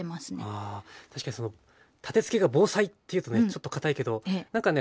ああ確かにその立てつけが防災っていうとねちょっと堅いけど何かね